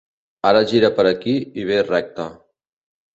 Ara gira per aquí i ves recte.